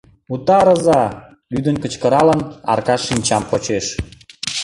— Утарыза! — лӱдын кычкыралын, Аркаш шинчам почеш.